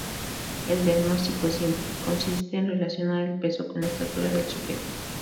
El diagnóstico es simple: consiste en relacionar el peso con la estatura del sujeto.